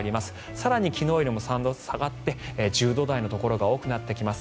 更に昨日よりも３度下がって１０度台のところが多くなってきます。